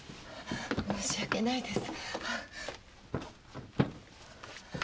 申し訳ないです。